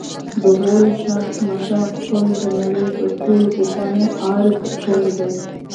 د غور شاهمشه پل د نړۍ تر ټولو پخوانی آرک پل دی